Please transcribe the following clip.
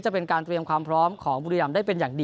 จะเป็นการเตรียมความพร้อมของบุรีรำได้เป็นอย่างดี